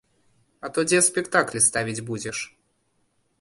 А то дзе спектаклі ставіць будзеш?